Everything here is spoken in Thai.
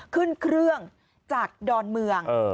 ขึ้นเครื่องจากดอนเมือง